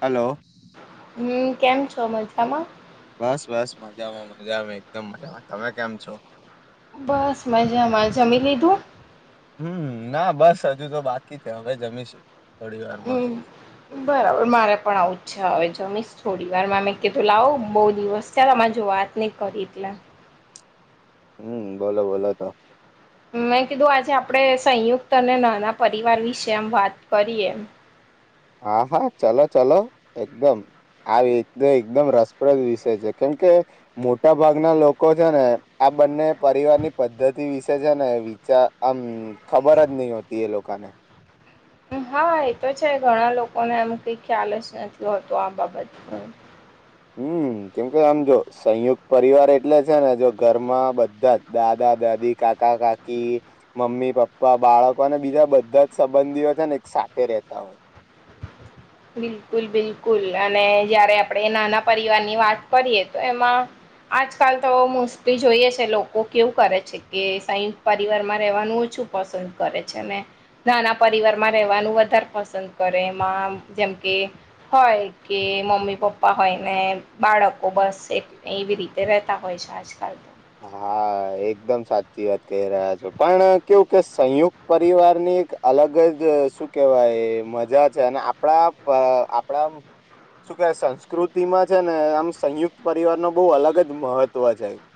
Hello હમ્મ કેમ છો મજામાં બસ બસ મજામાં મજામાં એકદમ મજામાં તમે કેમ છો બસ મજામાં જમી લીધું હમ્મ ના બસ હજુ તો બાકી છે, હવે જમીશ હમ્મ બરાબર મારે પણ આવું છે હવે જમીશ થોડી વારમા મે કે તો લાવો બોવ દિવસ થયા આમાં જો વાત ની કરી એટલે હમ્મ બોલો બોલો ત મેં કીધું આજે આપણે સંયુક્ત અને નાના પરિવાર વિશે આમ વાત કરીએ હા, હા ચલો ચલો એકદમ આ એક એકદમ રસપ્રદ વિષય છે કેમ કે મોટા ભાગના લોકો છે, ને આ બંને પરિવાર ની પદ્ધતિ વિશે છે ને ચા આમ ખબર જ નહી હોતી એ લોકાને [inaudible] હા, એ તો છે ઘણા લોકોને એમ કઈ ખ્યાલ જ નથી હોતો આ બાબત પણ હમ્મ કેમ કે આમ જો સંયુક્ત પરિવાર એટલે છે ને જો ઘરમાં બધા જ દાદા દાદી કાકા કાકી મમ્મી પપ્પા બાળકો અને બીજા બધા જ સંબંધીઓ છે ને સાથે રહેતા હોય બિલકુલ બિલકુલ અને જયારે આપડે નાના પરિવારની વાત કરીએ, તો એમાં આજકાલ તો મોસ્ટલી જોઈએ છે લોકો કેવું કરે છે, કે સંયુક્ત પરિવાર માં રહેવાનું જ છુ પસંદ કરે છે, ને નાના પરિવાર માં રહેેવાનું વધારે પસંદ કરે એમાં જેમ કે હોય કે મમ્મી પપ્પા હોય ને બાળકો બસ એટ એ વી રીતે વતા હોય છે, આજકાલ તો હા, એકદમ સાચી વાત કહી રહ્યા છો પણ કેવું કે સંયુક્ત પરિવારની એક અલગ જ શું કેહેવાય મજા છે, અને આપણા આપણા શું કે સંસ્કૃતિમાં છે, ને આમ સંયુક્ત પરિવાર ન બહુ અલગ જ મહત્વ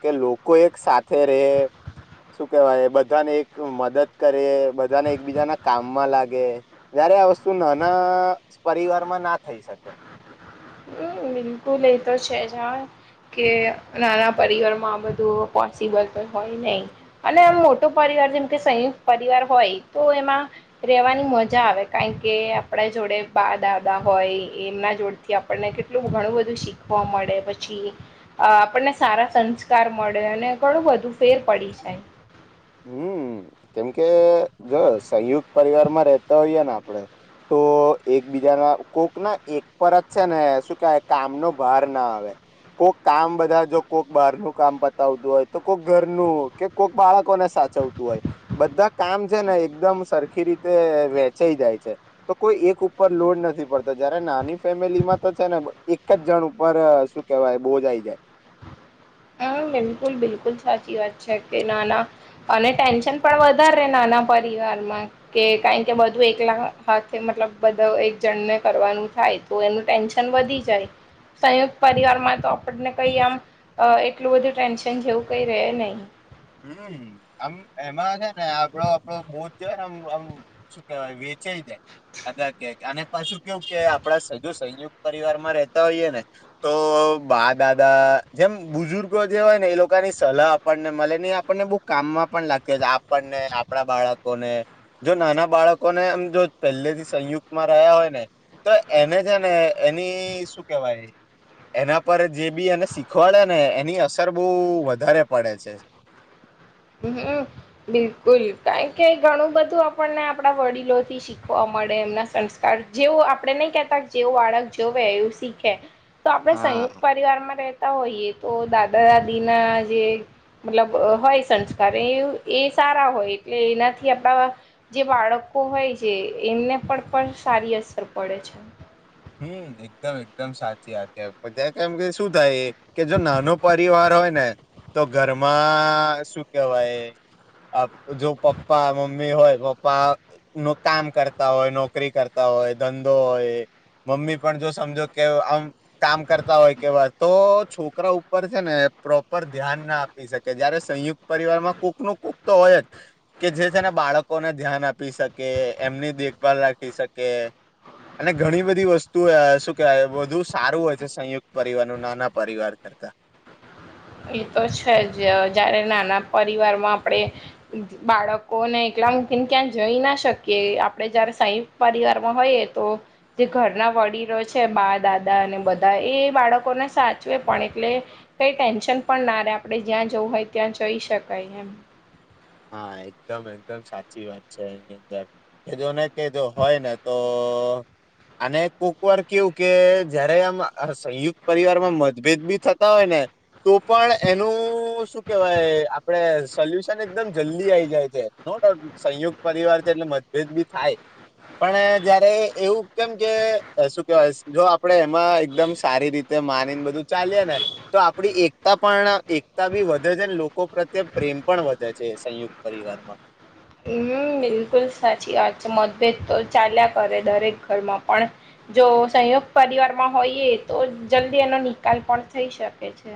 છે કે લોકો એક સાથે રહે શું, કેવાય બધાને એક મદદ કરે બધાને એકબીજાના કામમાં લાગે તારે આ વસ્તુ નાના પરિવારમાં ના થઈ શકે, હમ્મ બિલકુલ એ તો છે જ હ કે નાના પરિવારમાં આ બધું પોસિબલ પણ હોય નહી, અને આમ મોટો પરવાર જેમ કે સંયુક્ત પરિવાર હોય તો એમાં રેવાની મજા આવે કારણ કે આપડા જોડે પા દાદા હોય એમના જોડ આપણને કેટલું ઘણું બધું શીખવા મળે પછી આપણને સારા સંસ્કાર મળે અને ઘણું બધું ફેર પડી જાય હમ કેમકે જો સંયુક્ત પરિવાર માં રતા હોઈએ ને આપડે તો એકબીજાના કોક ના એક પર જ છે ને શું કેવાય કામનો ભાર ના આવે કોઈક કામ બધા જો કોઈક બહાર નું કામ પતાવતું હોય તો કોઈક ઘરનું કે કોઈક બાળકોને સાચવતું હોય બધા કામ છે ને એકદમ સરખી રીતે વેચાઈ જાય છે તો કોઈ એક ઉપર લોડ નથી પડતો જયારે નાની ફેમિલી માં તો છે ને એક જ જણ ઉપર શું કેવાય બહુ જઈ જાય હ બિલકુલ બિલકુલ સાચી વાત છે કે નાના અને ટેન્શન પણ વધારે નાના પરિવાર કે કારણ કે બધું એકલા હાથે મતલબ બધા એક જણ ને કરવાનું થાય તો ટેન્શન વધી જાય સંયુક્ત પરિવાર માં તો આપને કઈ આમ અ એટલું બધું ટેન્શન જેવું કઈ રહે નહીં હમ આમ એમાં છે ને આપડો આપો બૌ્ જોય ને આમ આમ શું કેવાય ચઈ છે અદા ક અને પાછું કેવું કે આપડા સજ સંયુક્ત પરિવાર માં રતા હોઈએ ને તો બા દાદા જેમ બુજુર્ગો જે હોય ને એ લોકોની સલાહ આપણને મળે આપણને બહુ કામમાં પણ લાગે છે આપણને આપણા બાળકો ને જો નાના બાળકોને એમ જો પહેલેથી સંયુક્તમાં રહ્યા હોય ને તો એને છે ને એની શું કેવાય એના પર જે બી એને શીખવાડે ને એની અસર બહ વધારે પડે છે [inaudible] હમ બિલકુલ કારણ કે ઘણું બધું આપણને આપડા વડીલો થી શીખવા મળે એમના સંસ્કાર જેવું આપડણે નહી કેતા જેવું બાળક જોવે એવું શીખે તો આપણે હા. સંયુક્ત પરિવારમાં હોઈએ તો દાદા દાદી ના જે મતલબ હોય સંસ્કાર એ એ સારા હોય એટલે એનાથી આપણા જે બાળકો હોય છે એમને પણ પણ સારી અસર પડે છે હમ એકદમ એકદમ સાચી વાત ત્યાં કેમ કે શું થાય એ કે જો નાનો પરિવાર હોય ને તો ઘરમાં શું કેવાય જો પપ્પા મમ્મી હોય પપ્પા નું કામ કરતા હોય નોકરી કરતા હોય હોય ધંધો હોય મમ્મી પણ જો સમજો કે આમ કામ કરતા હોય કેવા તો છોકરા ઉપર છે ને પ્રોપર ધ્યાન ના આપી શકે જયારે સંયુક્ત પરિવારમાં કૂક નું કૂક તો હોય જ કે જે બાળકોને ધ્યાન આપી શકે એમની દેખભાલ રાખી શકે અને ઘણી બધી બધી વસ્તુ શું કેવાય બધુ સારું હોય છે સંયુક્ત પરિવાર ન નાના પરિવાર કરતા હ એ તો છે જ જયારે નાના પરિવાર માં આપડે બાળકો ને એલા ક્યાં જઈ ના શકીએ આપડે જયારે સાહી પરિવાર માં હોઈએ તો જે ઘરના વ ડી રહ્યો છે બા દાદા અને બધા એ બાળકોને સાચવે પણ એટલે કઈ ટેન્શન. પણ નારે આપડણે જ્યાં જવું હોય ત્યાં જઈ શકાય એમ. હા એકદમ એકદમ સાચી વાત છે એની અંદર કે જોને કે જો હોય ને તો. તો. અને કોક વાર કેવું કે જયારે આમ સંયુક્ત પરિવાર માં મતભેદ બી થતા હોય ને. તો પણ એનું શું કેવાય આપડે સોલ્યુશન એકદમ. જલ્દી આઈ જાય છે નો ડાઉટ સંયુક્ત પરિવાર છે એટલે મતભેદ બી થાય. પણ જયારે એવું કેમ કે શું કેવાય જો આપડે એમાં એકદમ સારી રીત માની ને બધું ચાલે ને તો આપ એકતા પણ એકતા બી વધે છે ને લોકો પ્રત્યે પ્રેમ. પણ વધે છે સંયુક્ત પરિવારમાં. હમ્મ બિલકુલ સાચી વાત છે મતભેદ તો ચાલ્યા કરે દરેક ઘરમાં પણ. જો સંયોુક્ત પરિવારમાં હોઈએ તો જલ્દી એનો નિકાલ પણ થઈ શકે છે.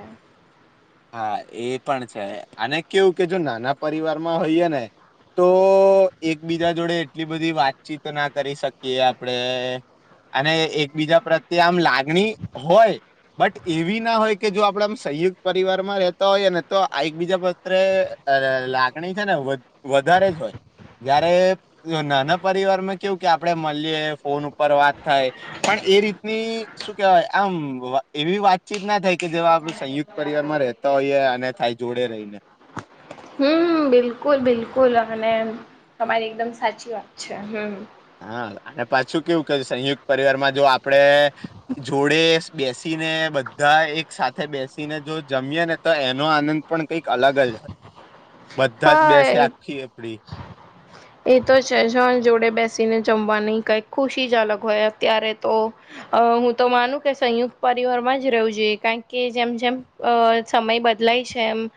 હા એ પણ છે અને કેવું કે જો નાના પરિવારમાં હોઈએ ને. તો એકબીજા જોડે એટલી બધી વાતચીત ના કરી શકીએ આપડે. અને એકબીજા પ્રત્યે આમ લાગણી હોય. બટ એવી ના હોય કે જો આપડમ સંયુક્ પરિવાર માં રહેતો હોયએ ને તો એકબીજા પાત્ર લાગણી છે ને વધારે જ હોય. જયારે નાના પરિવારમાં કેવું કે આપડે મળીએ ફોન ઉપર વાત થાય પણ. એ રીતની શું કેવાય આમ એવી વાતચીત ના થાય કે જેવા આપડું સંયુક્ત. પરિવારમાં રહેતા હોઈએ અને થાય જોડે રહીને હમ્મ બિલકુલ બિલકુલ અને તમારી એકદમ સાચી વાત છે હમ્મ. હા અને પાછું કેવું કે સંયુક્ત પરિવારમાં જો આપડે જોડે. બેસીને બધા એક સાથે બેસીને જો જમીએ ને તો એનો આનંદ પણ કઈક અલગ જ હોય. હ. બધા જ બેસે આખી આપડી. એ તો છેજ જોડે બેસીને જમવા નહી કઈક ખુશી જ અલગ હોય અત્યારે તો. અ હું તો માનું કે સંયુક્ત પરિવારમાં જ રેવું જોઈએ કારણ કે જેમ જેમ સમય. બદલાય છે એમ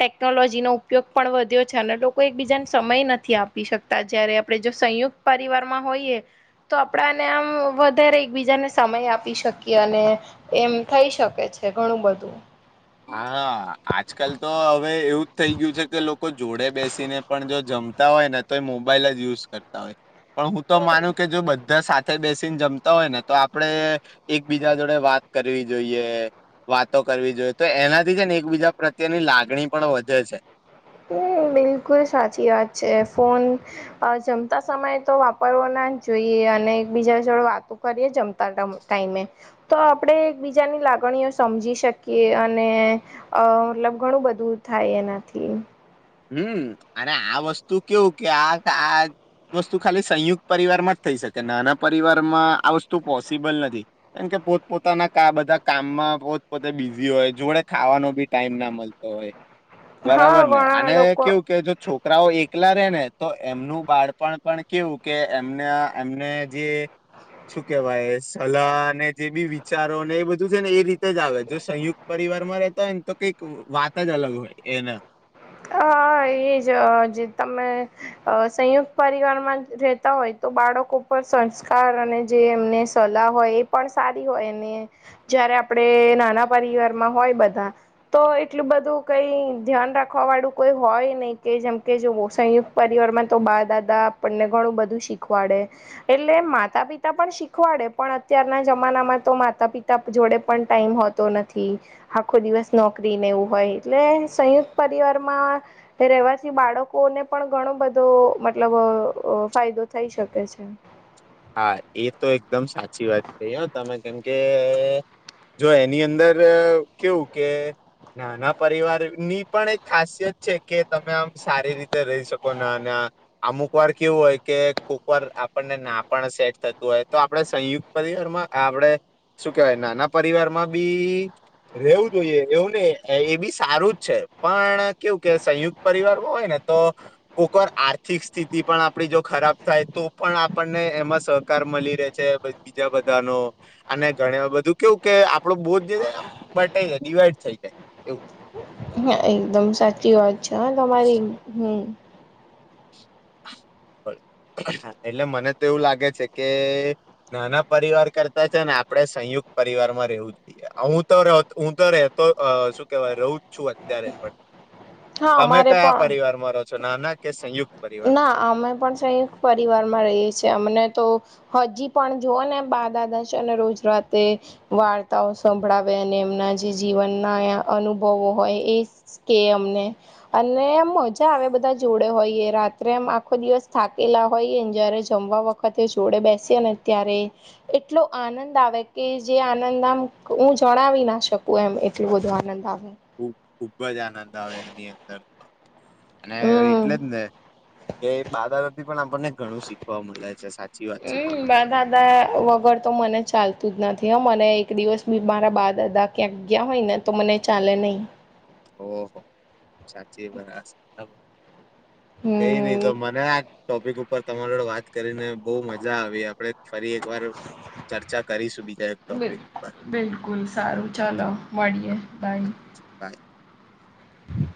ટેકનોલોજીનો. ઉપયોગ પણ વધ્યો છે અને લોકો એકબીજાને સમય નથી આપી શકતા જયારે આપણે જો સંયુક્ત પરિવાર માં હોઈએ તો આપડાને આમ વધારે એકબીજાને સમય આપી શકીએ અને એમ. થઈ શકે છે ઘણું બધું. હા આજકાલ તો હવે એવું જ થઈ ગયું છે કે લોકો. લોકો જોડે બેસીને પણ જો જમતા હોય ને તો એ મોબાઈલ જ યુઝ કરતા હોય. પણ હું તો માનું કે જો બધા સાચ સાથે બેસીને જમતા હોય ને તો આપડે એકબીજા જોડે વાત કરવી જોઈએ. વાતો કરવી જોઈએ તો એનાથી છે ને એકબીજા પ્રત્યેની લાગણી પણ વધે છે. હમ બિલકુલ સાચી વાત છે ફોન જમતા સમયે તો વાપરવાોન જોઈએ અને એકબીજા જોડે વાતો કરીએ જમતા ટાઈમે તો આપણેે એકબીજાની. લાગણીઓ સમજી શકીએ અને મતલબ ઘણું બધું થાય એનાથી. હમ્મ અને આ વસ્તુ કેવું કે આ આ. વસ્તુ ખાલી સંયુક્ત પરિવાર માં જ થઈ શકે નાના પરિવારમાં આ વસ્તુ પોસિબલ નથી કેમ કે. પોતપોતાના બધા કામમાં પોત પોતે બિઝી હોય જોડે ખાવાનો ભી ટાઈમ ના મળતો હોય. હા બરાબર ને ઘણા અને લોકો કેવું કે જો છોકરાઓ એક. એકલા રેને તો એમનું બાળપણ પણ કેવું કે એમને એમને જે. શું કેવાય સલાહ અનેને જે બી વિચારો ને એ બધું છે ને એ રીતે. જ આવે જો સંયુક્ત પરિવાર માં રેતા હોય ને તો કઈક વાત જ અલગ હોય એના. હ એજ જે તમે સંયુક્ત પરિવારમાં રહેતા હોય તો. બાળકો પર સંસ્કાર અને જે એમને સલાહ હોય એ પણ સારી હોય. આપણે નાના પરિવારમાં હોય બધા તો એટલું બધું કઈ ધ્યાન રાખ રાખવા વાળું કોઈ હોય નહીં કે જેમ કે જો સંયુક્ત પરિવાર માં તો બા દાદા આપણને ઘણું બધું શીખવાડે એટલે માતા પિતા પણ શીખવાડે પણ અત્યારના જમાનામાં તો માતા પિતા જોડે પણ ટાઈમ હોતો નથી આખો દિવસ નોકરી નેવું હોય એટલે સંયુક્ત પરિવારમાં રહેવાથી બાળકોને પણ ઘણો બધો મતલબ ફાયદો થઈ શકે છે હા એ તો એકદમ સાચી વાત છે તમે કેમ કે જો એની અંદર કેવું કે નાના પરિવાર ની પણ એક ખાસિયત છે કે તમે આમ સારી રીતે રહી શકો ના અમુક વાર કેવું હોય કે કોક વાર આપણને ના પણ સેટ થતું હોય તો આપડણે સંયુક્ત પરિવારમાં આપણે શું કેવાય નાના પરિવારમાં બી રેવું જોઈએ એવું નહી એ બી સારું જ છે પણ કેવું કે સંયુક્ત પરિવાર માં હોય ને કો આર્થિક સ્થિતિ પણ આપ જો ખરાબ થાય તો પણ આપણે એમાં સહકાર મળી રહે છે બીજા બધાનો અને ઘણ બધું કેવું કે આપડું બોજ છેને ડિવાઈડ થઈ જાય એવું હા એકદમ સાચી વાત છે હા તમારી હમ [inaudible] [inaudible] એટલે મને તો એવું લાગે છે કે નાના પરિવાર કરતા છે ને આપડે સંયુક્ત પરિવાર માં રહેવું જ જોઈએ હું તો હું તો રહેતો શું કેવાય રહું જ છું અત્યારે પણ હા તમે અમારે કયા પણ પરિવારમાં રહો છો નાના કે સંયુક્ત ના પરિવારમાં અમે પણ સંયુકત પરિવાર માં રહીએ છીએ અમને તો હજી પણ જોઓ ને બાધાદાદા અને રોજરાતે વાર્તાઓ સંભળાવે અને એ જે જીવન ના અનુભવો હોય એ કે અમને અને મજા મે બધા જોડે હોઈએ રાત્રે એમ આખો દિવસ થાકેલા હોય જયારે જમવા વખતે જોડે બેસી ને ત્યારે એટલો આનંદ આવે કે જે આનંદ આમ હું જણાવી ના શકું એમ એટલું બધું આનંદ આવે ખુબજ આનંદ આવે એની અંદર તો અને હમ એટલે ને એ બાદાદાથી પણ આપણને ઘણું શીખવા મળે છે સાચી વાત છે હમ બા તેથી દાદા વગર તો મને ચાલતું જ નથી મને એક દિવસ બી મારા બા દાદા ક્યાંક ગયા હોય ને તો મને ચાલે નહી ઓહ સાચી બરાબર કઈ નહી તો હમ મને આ ટોપિક ઉપર તમારો વાત કરીને બહુ મજા આવી આપડે ફરી એકવાર ચર્ચા કરીશું બીજા એક ટોપિક પર બિલકુલ સારું ચાલો મળીએ બાય. [unintelligible]